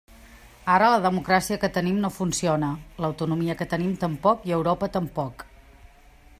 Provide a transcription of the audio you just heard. Ara la democràcia que tenim no funciona, l'autonomia que tenim tampoc i Europa tampoc.